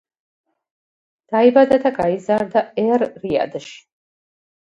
დაიბადა და გაიზარდა ერ-რიადში.